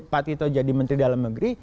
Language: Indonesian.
pak tito jadi menteri dalam negeri